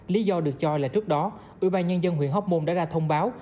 lý do được cho là trước đó ủy ban nhân dân huyện hóc môn đã ra thông báo